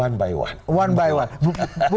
satu demi satu